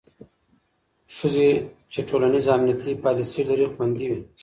ښځې چې ټولنیز امنیتي پالیسۍ لري، خوندي وي.